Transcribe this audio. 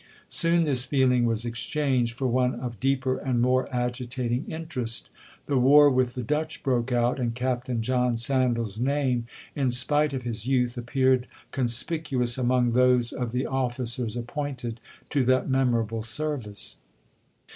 Soon this feeling was exchanged for one of deeper and more agitating interest. The war with the Dutch broke out, and Captain John Sandal's name, in spite of his youth, appeared conspicuous among those of the officers appointed to that memorable service.